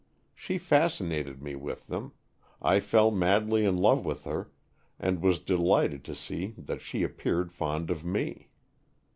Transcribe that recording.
She fascinated me with them, I fell madly in love with her and was delighted to see that she ap peared fond of me.